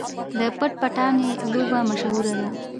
د پټ پټانې لوبه مشهوره ده.